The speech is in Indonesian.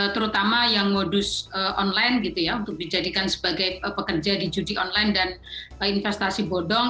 terutama yang modus online gitu ya untuk dijadikan sebagai pekerja di judi online dan investasi bodong